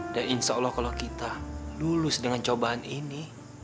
insya allah kalau kita lulus dengan cobaan ini